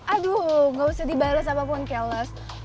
aduh gak usah dibales apapun challes